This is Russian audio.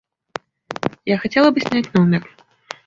Я хотела бы снять номер.